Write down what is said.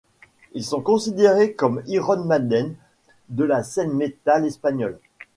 Ils sont considérés comme Iron Maiden de la scène metal espagnole.